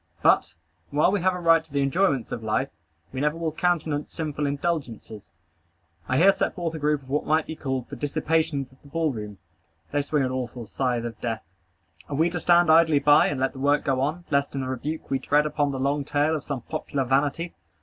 But, while we have a right to the enjoyments of life, we never will countenance sinful indulgences. I here set forth a group of what might be called the dissipations of the ball room. They swing an awful scythe of death. Are we to stand idly by, and let the work go on, lest in the rebuke we tread upon the long trail of some popular vanity?